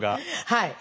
はい。